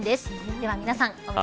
では皆さん